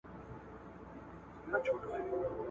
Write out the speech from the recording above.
دې کوترو ته ورخلاصه لو فضا وه !.